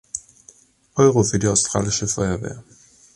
Euro für die australische Feuerwehr.